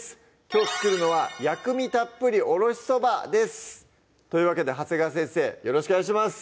きょう作るのは「薬味たっぷりおろしそば」ですというわけで長谷川先生よろしくお願いします